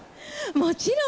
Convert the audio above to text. もちろん！